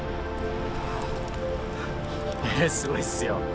すごいっすよ。